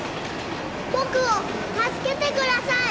僕を助けてください！